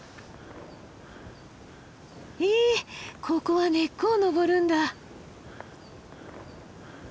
へえここは根っこを登るんだ。